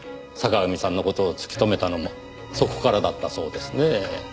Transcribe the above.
坂上さんの事を突き止めたのもそこからだったそうですね。